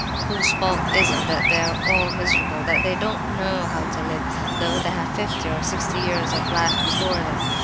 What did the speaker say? "Whose fault is it that they are all miserable, that they don't know how to live, though they have fifty or sixty years of life before them?